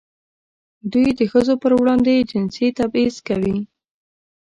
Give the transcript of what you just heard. دوی د ښځو پر وړاندې جنسي تبعیض کوي.